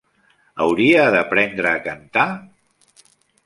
Hauria d'aprendre a cantar?